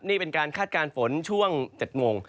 นี่เป็นการคาดการณ์ฝนช่วง๗โมง